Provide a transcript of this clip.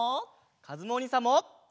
かずむおにいさんも！